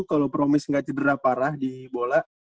kalau promis nggak cedera parah di bola